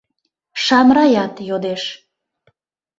— Шамраят йодеш.